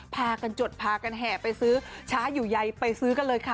พากันจดพากันแห่ไปซื้อช้าอยู่ใยไปซื้อกันเลยค่ะ